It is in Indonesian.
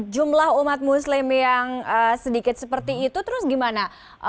jumlah umat muslim yang sedikit seperti itu terus gimana